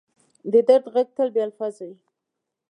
د درد ږغ تل بې الفاظه وي.